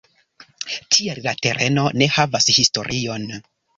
Tial la tereno ne havas historion.